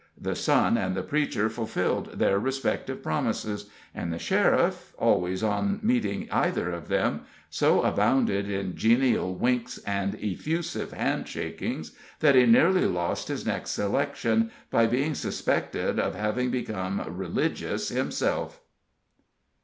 The son and the preacher fulfilled their respective promises, and the sheriff, always, on meeting either of them, so abounded in genial winks and effusive handshakings, that he nearly lost his next election by being suspected of having become religious himself.